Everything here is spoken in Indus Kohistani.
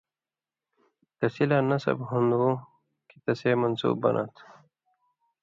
کسی لا نصب ہُون٘دوۡ کھیں تسے منصُوب بناں تھہ